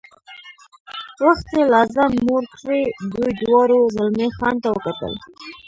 وختي لا ځان موړ کړی، دوی دواړو زلمی خان ته وکتل.